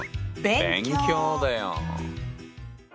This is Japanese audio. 勉強だよ。